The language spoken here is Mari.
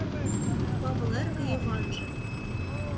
Павыл эрге Йыванже